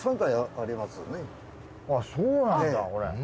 あっそうなんだこれ。